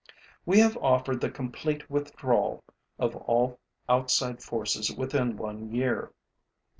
We have offered the complete withdrawal of all outside forces within one year.